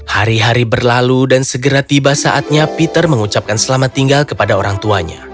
hari hari berlalu dan segera tiba saatnya peter mengucapkan selamat tinggal kepada orang tuanya